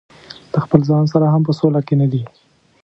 د خپل ځان سره هم په سوله کې نه دي.